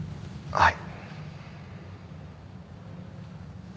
はい。